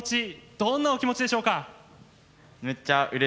どんなお気持ちでしょうか？